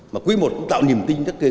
mà quý một cũng tạo niềm tin rất kỳ ứng